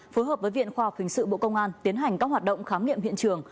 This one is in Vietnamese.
phối hợp với viện khoa học hình sự bộ công an tiến hành các hoạt động khám nghiệm hiện trường